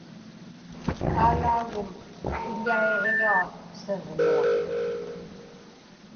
Aalaagum piḷaiġigaa Siġmiaq